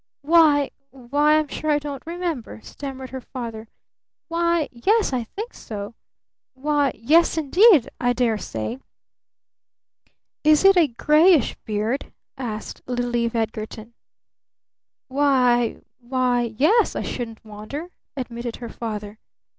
"Why why, I'm sure I don't remember," stammered her father. "Why, yes, I think so why, yes, indeed I dare say!" "Is it a grayish beard?" asked little Eve Edgarton. "Why why, yes I shouldn't wonder," admitted her father.